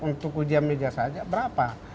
untuk ujian meja saja berapa